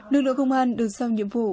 lực lượng công an được sau nhiệm vụ